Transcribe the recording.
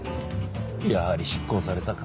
やはり執行されたか。